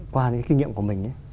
qua những kinh nghiệm của mình